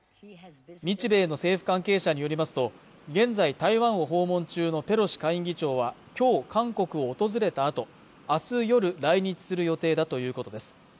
日米の政府関係者によりますと現在台湾を訪問中のペロシ下院議長はきょう韓国を訪れたあと明日夜来日する予定だということです